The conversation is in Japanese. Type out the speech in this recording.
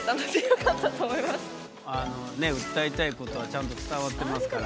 訴えたいことはちゃんと伝わってますから。